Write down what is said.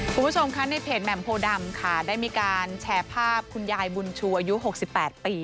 คุณผู้ชมคะในเพจแหม่มโพดำค่ะได้มีการแชร์ภาพคุณยายบุญชูอายุ๖๘ปี